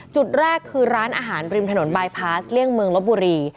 จุดแรกคือร้านอาหารริมถนนบายพาสเลี่ยงเมืองลบบุรี